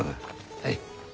はい。